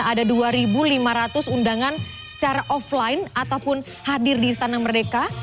ada dua lima ratus undangan secara offline ataupun hadir di istana merdeka